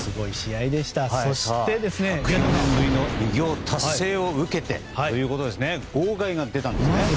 そして１０４年ぶりの偉業達成を受けてということで号外が出たんですね。